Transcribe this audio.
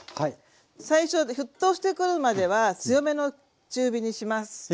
最初沸騰してくるまでは強めの中火にします。